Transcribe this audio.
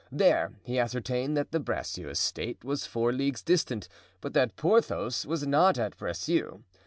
There he ascertained that the Bracieux estate was four leagues distant, but that Porthos was not at Bracieux.